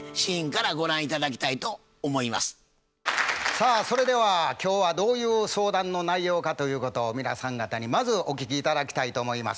さあそれでは今日はどういう相談の内容かということを皆さん方にまずお聞き頂きたいと思います。